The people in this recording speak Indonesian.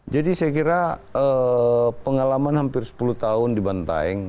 jadi saya kira pengalaman hampir sepuluh tahun di bantaeng